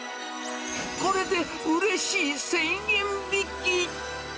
これでうれしい１０００円引き。